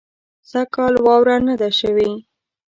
سږ کال واوره نۀ ده شوې